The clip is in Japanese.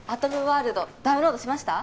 ワールドダウンロードしました？